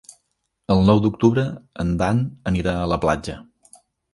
El nou d'octubre en Dan anirà a la platja.